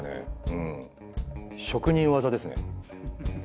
うん職人技ですね。